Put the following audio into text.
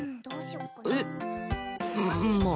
えっまあ。